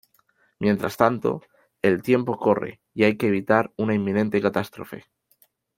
Mientras tanto el tiempo corre y hay que evitar una inminente catástrofe.